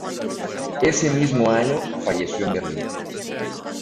Ese mismo año falleció en Berlín.